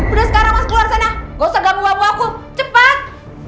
udah sekarang mas keluar sana gak usah gabung buah buahku cepat